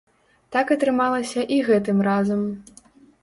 Так атрымалася і гэтым разам.